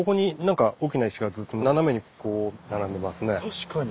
確かに。